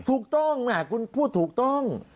ถูกต้องแหมคุณพูดถูกต้อง